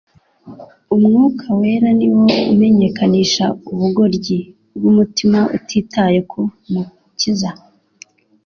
Umwuka wera ni wo umenyekanisha ubugoryi bw'umutima utitaye ku Mukiza